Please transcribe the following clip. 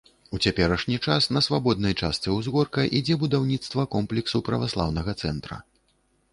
У цяперашні час на свабоднай частцы ўзгорка ідзе будаўніцтва комплексу праваслаўнага цэнтра.